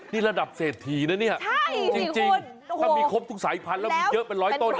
นี่ระดับเศรษฐีนะเนี่ยจริงถ้ามีครบทุกสายพันธุ์แล้วมีเยอะเป็นร้อยต้น